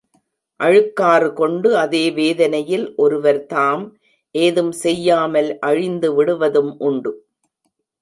அழுக்காறு கொண்டு அதே வேதனையில் ஒருவர் தாம் ஏதும் செய்யாமல் அழிந்துவிடுவதும் உண்டு.